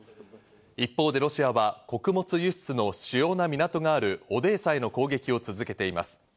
一方でロシアは穀物輸出の主要な港があるオデーサへの攻撃を続けています。